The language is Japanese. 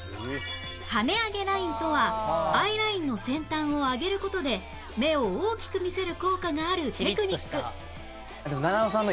跳ね上げラインとはアイラインの先端を上げる事で目を大きく見せる効果があるテクニック